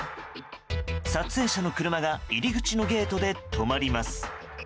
撮影者の車が入り口のゲートで止まります。